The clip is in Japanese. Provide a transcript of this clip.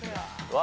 わ。